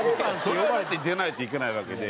それはだって出ないといけないわけで。